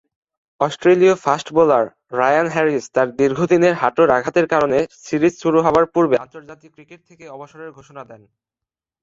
অস্ট্রেলীয় fast bowler Ryan Harris তার দীর্ঘদিনের হাঁটুর আঘাতের কারণে সিরিজ শুরু হবার পূর্বে আন্তর্জাতিক ক্রিকেট থেকে অবসরের ঘোষণা দেন।